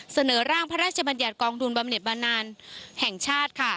เสนอร่างพระราชบัญญัติกองทุนบำเน็ตบำนานแห่งชาติค่ะ